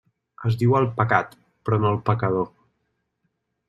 Es diu el pecat, però no el pecador.